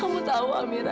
kamu tau amira